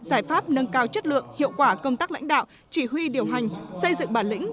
giải pháp nâng cao chất lượng hiệu quả công tác lãnh đạo chỉ huy điều hành xây dựng bản lĩnh